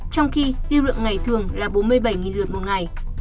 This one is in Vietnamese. trong khi lưu lượng ngày thường là bốn mươi bảy lượt một ngày